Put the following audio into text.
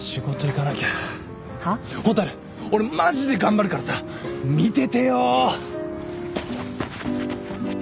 蛍俺マジで頑張るからさ見ててよ。